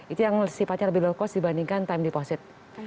itu yang sifatnya lebih low cost dibandingkan time deposit